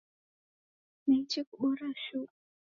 Naichi kubora shuu